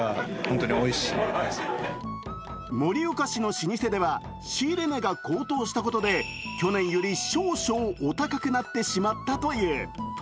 盛岡市の老舗では仕入れ値が高騰したことで、去年より少々お高くなってしまったという。